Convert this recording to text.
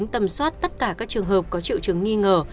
tầm soát tất cả các trường hợp có triệu chứng nghi ngờ